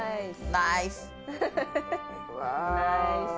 ナーイス！